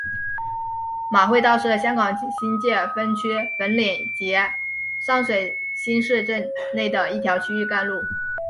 马会道是香港新界北区粉岭及上水新市镇内的一条区域干路。